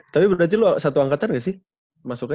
tapi berarti satu angkatan gak sih masuknya